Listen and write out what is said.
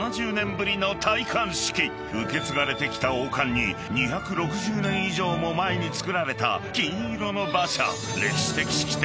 ［受け継がれてきた王冠に２６０年以上も前に作られた金色の馬車］